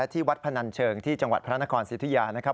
ที่วัดพนันเชิงที่จังหวัดพระนครสิทธิยานะครับ